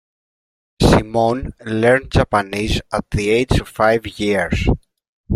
Simone learned Japanese at the age of five years.